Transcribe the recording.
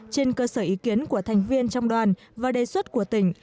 trên cơ sở ý kiến của thành viên trong đoàn và đề xuất của tỉnh